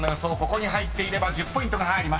ここに入っていれば１０ポイントが入ります。